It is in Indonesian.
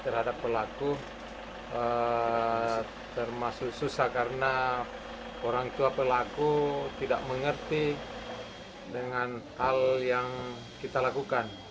terhadap pelaku termasuk susah karena orang tua pelaku tidak mengerti dengan hal yang kita lakukan